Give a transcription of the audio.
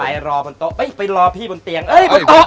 ไปรอบนโต๊ะไปรอพี่บนเตียงเอ้ยบนโต๊ะ